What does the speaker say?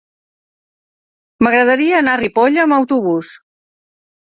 M'agradaria anar a Ripoll amb autobús.